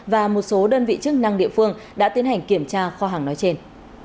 và một số đơn vị chức năng địa phương đã tiến hành kiểm tra kho hàng nói trên